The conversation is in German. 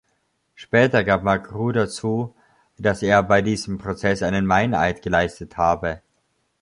Später gab Magruder zu, dass er bei diesem Prozess einen Meineid geleistet habe.